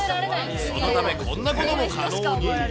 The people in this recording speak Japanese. そのため、こんなことも可能に。